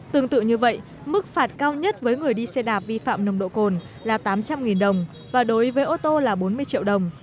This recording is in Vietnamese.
tương tự như vậy mức phạt cao nhất với người đi xe đạp vi phạm nồng độ cồn là tám trăm linh đồng và đối với ô tô là bốn mươi triệu đồng